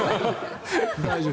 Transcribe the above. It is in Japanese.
大丈夫。